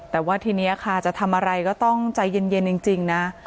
แต่ว่าทีนี้ค่ะจะทำอะไรก็ต้องใจเย็นจริงนะ